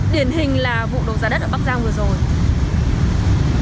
điển hình là vụ đấu giá đất ở bắc giang vừa rồi